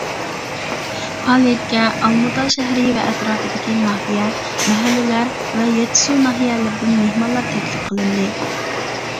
پائالىيەتكە ئالمۇتا شەھىرى ۋە ئەتراپىدىكى ناھىيە، مەھەللىلەر ۋە يەتتە سۇ ناھىيەلىرىدىن مېھمانلار تەكلىپ قىلىندى.